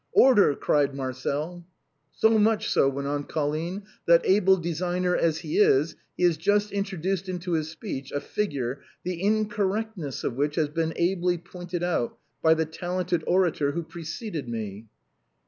" Order !" cried Marcel. " So much so, that, able designer as he is, he has just introduced into his speech a figure the incorrectness of which has been ably pointed out by the talented orator who preceded me."